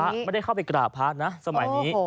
ไม่ได้เข้าไปกราบพระนะสมัยนี้